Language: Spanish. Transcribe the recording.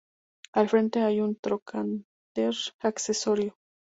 Al frente hay un trocánter accesorio.